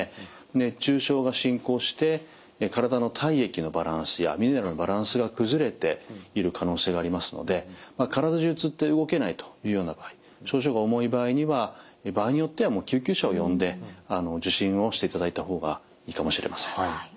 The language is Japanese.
熱中症が進行して体の体液のバランスやミネラルのバランスが崩れている可能性がありますので体中つって動けないというような場合症状が重い場合には場合によってはもう救急車を呼んで受診をしていただいた方がいいかもしれません。